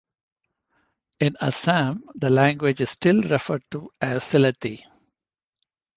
In Assam, the language is still referred to as "Sylheti".